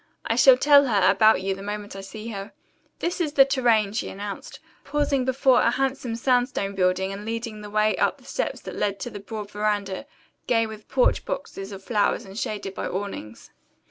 I shall tell her about you the moment I see her. This is the Tourraine," she announced, pausing before a handsome sandstone building and leading the way up the steps that led to the broad veranda, gay with porch boxes of flowers and shaded by awnings.